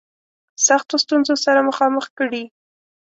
سختو ستونزو سره مخامخ کړي.